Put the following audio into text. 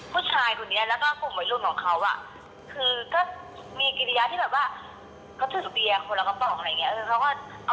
เมื่อคืนนี้หนูเล่นที่เชียงรายงานพ่อขุนนะคะ